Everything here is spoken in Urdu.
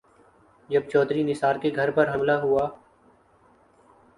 جب چوہدری نثار کے گھر پر حملہ ہوا۔